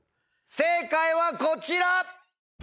正解はこちら！